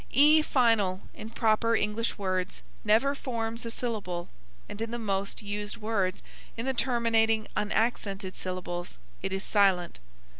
E final in proper English words never forms a syllable, and in the most used words in the terminating unaccented syllables it is silent.